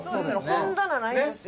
本棚ないんですよ。